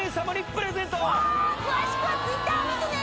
詳しくはＴｗｉｔｔｅｒを見てね